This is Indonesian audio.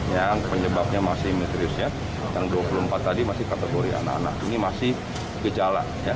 yang penyebabnya masih misteriusnya yang dua puluh empat tadi masih kategori anak anak ini masih gejala